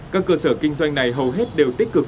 các cơ sở kinh doanh này hầu hết đều tích cực